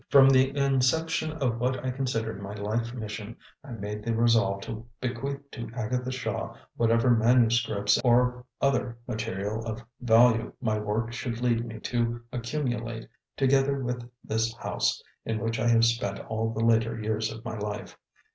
"From the inception of what I considered my life mission, I made the resolve to bequeath to Agatha Shaw whatever manuscripts or other material of value my work should lead me to accumulate, together with this house, in which I have spent all the later years of my life.